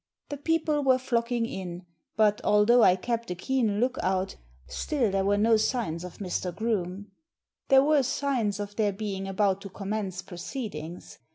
The people were flocking in, but, although I kept a keen look out, still there were no signs of Mr. Groome. There were signs of their being about to commence proceedings.